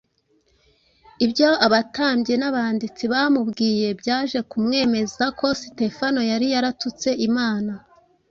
Ibyo abatambyi n’abanditsi bamubwiye byaje kumwemeza ko Sitefano yari yaratutse Imana,